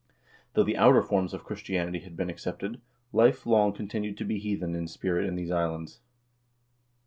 Though the outer forms of Christianity had been accepted, life long continued to be heathen in spirit in these islands.